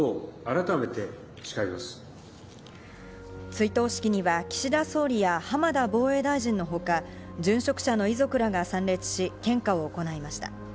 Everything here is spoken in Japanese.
追悼式には岸田総理大臣や浜田防衛大臣のほか、殉職者の遺族らが参列し献花を行いました。